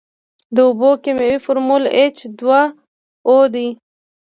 د اوبو کیمیاوي فارمول ایچ دوه او دی.